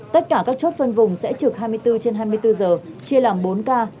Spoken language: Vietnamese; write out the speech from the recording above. tất cả các chốt phân vùng sẽ trực hai mươi bốn trên hai mươi bốn giờ chia làm bốn k